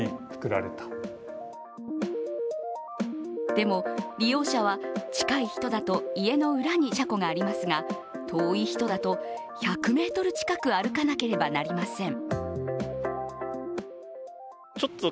でも利用者は、近い人だと家の裏に車庫がありますが、遠い人だと１００ｍ近く歩かなければなりません。